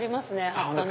葉っぱの。